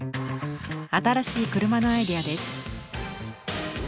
新しい車のアイデアです。